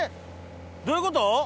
どういうこと？